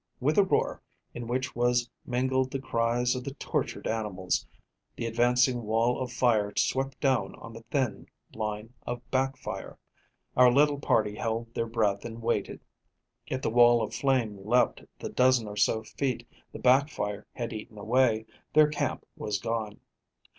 With a roar, in which was mingled the cries of the tortured animals, the advancing wall of fire swept down on the thin line of back fire. Our little party held their breath and waited. If the wall of flame leaped the dozen or so feet the back fire had eaten away, their camp was gone.